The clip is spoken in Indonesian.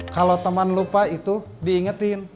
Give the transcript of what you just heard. kalau teman lupa itu diingetin